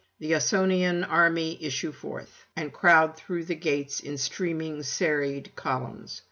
The Ausonian army issue forth, and crowd through the gates in streaming serried columns.